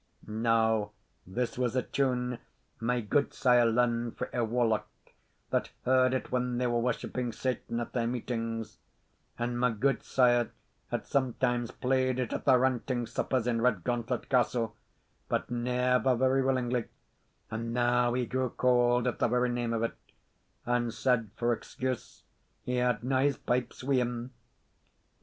'" Now this was a tune my gudesire learned frae a warlock, that heard it when they were worshipping Satan at their meetings; and my gudesire had sometimes played it at the ranting suppers in Redgauntlet Castle, but never very willingly; and now he grew cauld at the very name of it, and said, for excuse, he hadna his pipes wi' him.